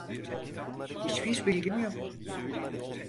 Hiçbir bilgim yok.